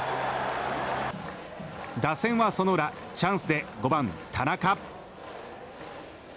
打線はその裏、チャンスで５番、田中。